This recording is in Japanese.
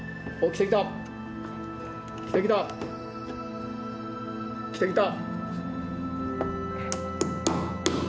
きたきた。